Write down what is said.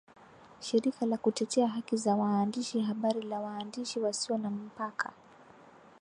shirika la kutetea haki za waandishi habari la Waandishi wasio na Mpaka